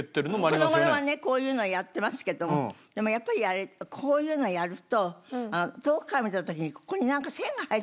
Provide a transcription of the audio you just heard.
この頃はねこういうのやってますけどもでもやっぱりあれこういうのをやると遠くから見た時にここに線が入ってるように見えちゃう。